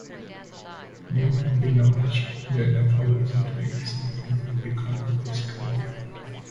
Newcombe acknowledges that alcoholism played a significant role in the decline of his career.